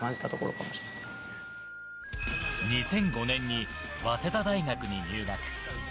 ２００５年に早稲田大学に入学。